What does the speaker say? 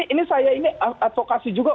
ini saya ini advokasi juga